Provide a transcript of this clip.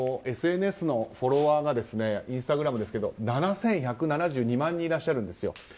ＳＮＳのフォロワーがインスタグラムですけど７１７２万人いらっしゃるんですよ。